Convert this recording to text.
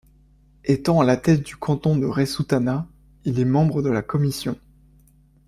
Étant à la tête du canton de Resuttana, il est membre de la Commission.